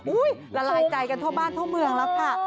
ละลายใจกันทั่วบ้านทั่วเมืองแล้วค่ะ